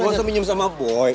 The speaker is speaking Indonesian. gak usah minum sama boy